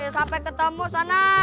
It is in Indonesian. sampai ketemu sana